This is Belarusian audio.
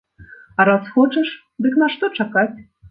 А раз хочаш, дык нашто чакаць?